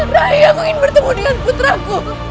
rai aku ingin bertemu dengan putraku